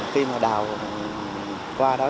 khi mà đào qua đó